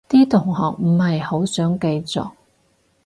啲同學唔係好想繼續